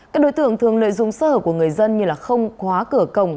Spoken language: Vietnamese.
các đối tượng thường lợi dụng sơ hở của người dân như không khóa cửa cổng